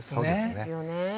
そうですよね。